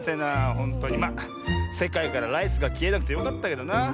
ほんとにまあせかいからライスがきえなくてよかったけどな。